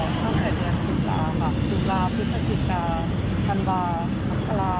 ตั้งแต่เดือนสุปราค่ะสุปราพฤษฎิกาธันวาภักษ์ฌาลา